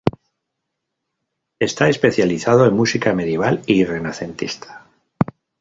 Está especializado en música medieval y renacentista.